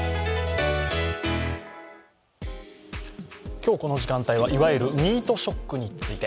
今日この時間帯はいわゆるミートショックについて。